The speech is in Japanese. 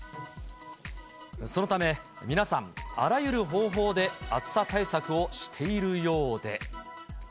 そのため、皆さん、あらゆる方法で暑さ対策をしているようで。